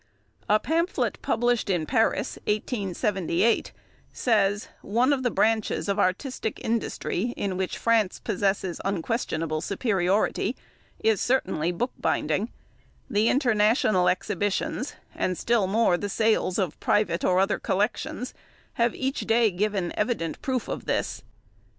A pamphlet, published in Paris, 1878, says: "One of the branches of artistic industry in which France possesses unquestionable superiority is certainly bookbinding; the International Exhibitions, and still more the sales of private or other collections, have each day given evident proof of this.